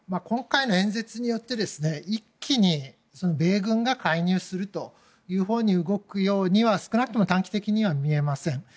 今回の演説によって一気に米軍が介入するというほうに動くようには少なくとも短期的には見えません。